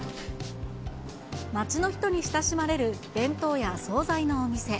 街の人に親しまれる弁当や総菜のお店。